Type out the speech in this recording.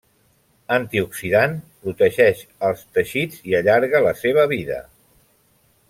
Antioxidant, protegeix els teixits i allarga la seva vida.